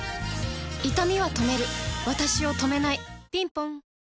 いたみは止めるわたしを止めないぴんぽん